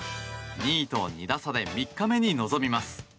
２位と２打差で３日目に臨みます。